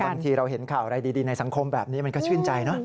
บางทีเราเห็นข่าวอะไรดีในสังคมแบบนี้มันก็ชื่นใจนะ